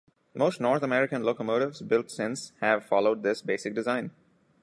Most North American locomotives built since have followed this basic design.